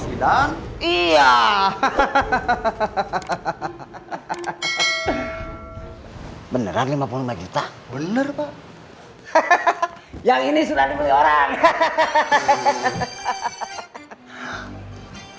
sudah iya hahaha beneran lima puluh lima juta bener pak hahaha yang ini sudah dibeli orang